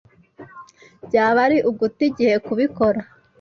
Byaba ari uguta igihe kubikora.